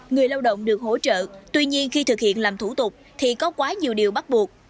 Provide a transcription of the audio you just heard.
người lao động được hỗ trợ tuy nhiên khi thực hiện làm thủ tục thì có quá nhiều điều bắt buộc